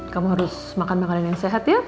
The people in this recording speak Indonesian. kamu harus makan makanan yang sehat ya